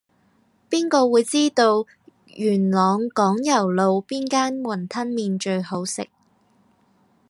邊個會知道元朗港攸路邊間雲吞麵最好食